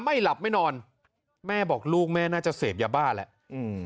ไม่หลับไม่นอนแม่บอกลูกแม่น่าจะเสพยาบ้าแล้วอืม